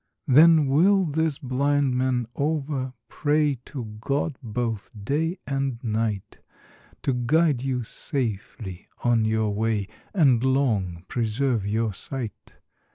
I Then will this blind man over pray ! To God both day and night I To guide you safely on your way, ! And long preserve your sight.